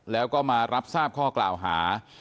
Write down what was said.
แล้วก็มารับทราบข้อกล่าวหา